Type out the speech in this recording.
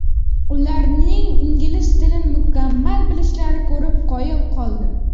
Ularning ingliz tilini mukammal bilishlarini ko‘rib, qoyil qoldim.